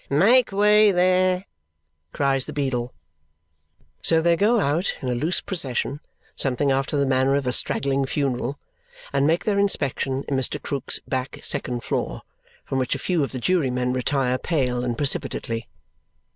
"Make way there!" cries the beadle. So they go out in a loose procession, something after the manner of a straggling funeral, and make their inspection in Mr. Krook's back second floor, from which a few of the jurymen retire pale and precipitately.